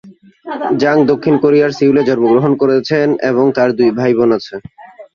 জাং দক্ষিণ কোরিয়ার সিউলে জন্মগ্রহণ করেছেন এবং তার দুই ভাই-বোন আছে।